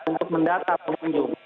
untuk mendata pengunjung